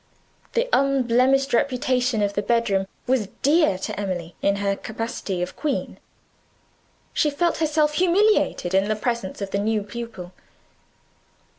The unblemished reputation of the bedroom was dear to Emily, in her capacity of queen. She felt herself humiliated in the presence of the new pupil.